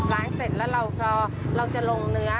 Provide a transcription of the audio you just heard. ล้างเสร็จแล้วเราจะลงเนื้อ